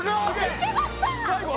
いけました！